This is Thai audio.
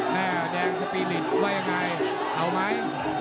แม่งสปีนิดไว้ไงเอาไหม